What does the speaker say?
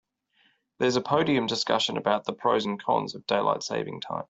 There's a podium discussion about the pros and cons of daylight saving time.